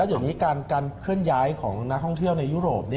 เดี๋ยวนี้การเคลื่อนย้ายของนักท่องเที่ยวในยุโรป